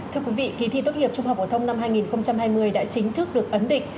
thưa quý vị kỳ thi tốt nghiệp trung học phổ thông năm hai nghìn hai mươi đã chính thức được ấn định